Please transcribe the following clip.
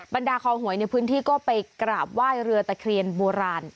บรรดาคอหวยในพื้นที่ก็ไปกราบไหว้เรือตะเคียนโบราณ